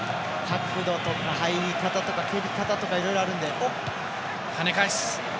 角度とか、入り方とか蹴り方とか、いろいろあるんで。